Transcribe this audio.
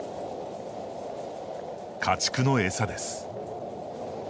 家畜の餌です。